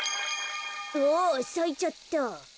あっさいちゃった。